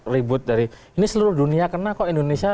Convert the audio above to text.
ribut dari ini seluruh dunia kena kok indonesia